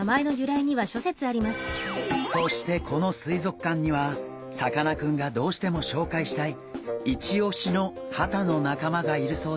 そしてこの水族館にはさかなクンがどうしてもしょうかいしたいイチオシのハタの仲間がいるそうです。